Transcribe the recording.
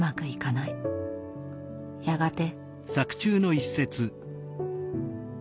やがて。